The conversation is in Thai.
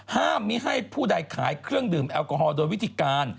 มิให้ผู้ใดขายเครื่องดื่มแอลกอฮอล์โดยวิธีการ